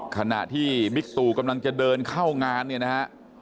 ขณะที่บิ๊กตู่กำลังจะเดินเข้างานเนี่ยนะฮะ